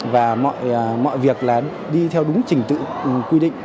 và mọi việc là đi theo đúng trình tự quy định